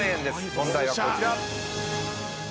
問題はこちら。